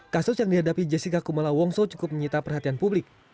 kasus yang dihadapi jessica kumala wongso cukup menyita perhatian publik